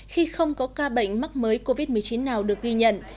khi không có ca bệnh mắc mới covid một mươi chín nào được ghi nhận